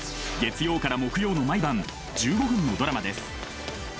月曜から木曜の毎晩１５分のドラマです。